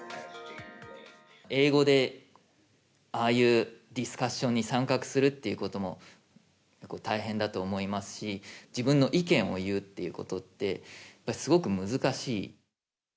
英語でああいうディスカッションに参加するっていうことも大変だと思いますし、自分の意見を言うっていうことって、すごく難しい。